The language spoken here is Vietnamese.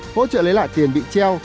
hỗ trợ lấy lại tiền bị treo